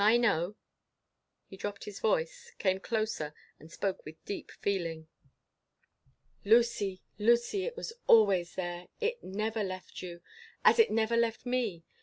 I know." He dropped his voice, came closer, and spoke with deep feeling. "Lucy, Lucy, it was always there! It never left you, as it never left me!